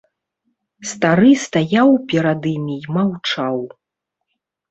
Стары стаяў перад імі і маўчаў.